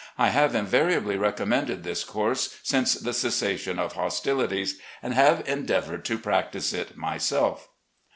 I have invariably recommended this course since the cessation of hostilities, and have endeavoured to practise it myself.